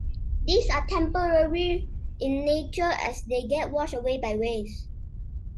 These are temporary in nature as they get washed away by waves.